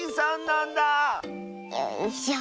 よいしょ。